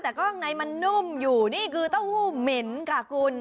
แต่ก๊อต็อกแด็สนิทมันนุ่มอยู่นี่คือเต้าหู้เหม็นค่ะคุณ